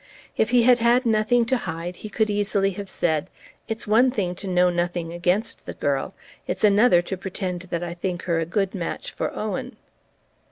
If he had had nothing to hide he could easily have said: "It's one thing to know nothing against the girl, it's another to pretend that I think her a good match for Owen."